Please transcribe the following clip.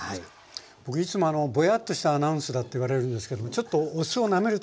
僕いつもボヤッとしたアナウンスだって言われるんですけどもちょっとお酢をなめるといいかもしれませんね。